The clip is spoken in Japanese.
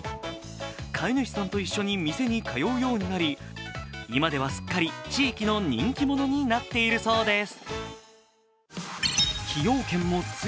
飼い主さんと一緒に店に通うようになり、今ではすっかり地域の人気者になっているそうです。